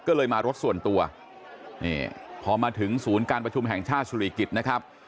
ก็เลยมารถส่วนตัวนี่พอมาถึงศูนย์การประชุมแห่งชาติสุริกิจนะครับ